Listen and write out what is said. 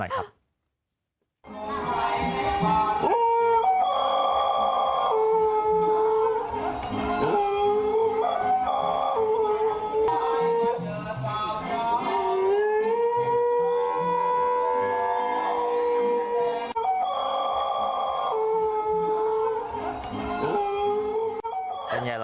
อะไรเป็นไงล่ะ